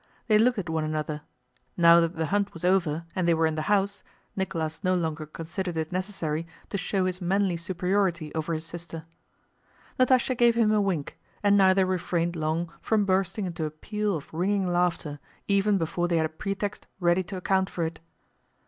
They looked at one another (now that the hunt was over and they were in the house, Nicholas no longer considered it necessary to show his manly superiority over his sister), Natásha gave him a wink, and neither refrained long from bursting into a peal of ringing laughter even before they had a pretext ready to account for it.